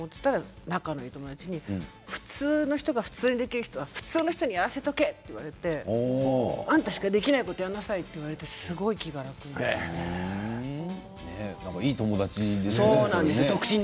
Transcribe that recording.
仲のいい友達に普通の人が普通にできる人は普通の人にやらせろと言われてあんたしかできないことやりなさいと言われていい友達ですね。